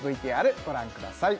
ＶＴＲご覧くださいＯＫ